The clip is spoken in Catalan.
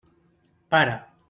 Para!